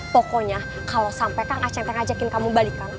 pokoknya kalo sampe kang acek t ngajakin kamu balikan